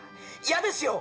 「嫌ですよ！」